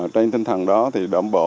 trên tinh thần đó thì đảm bảo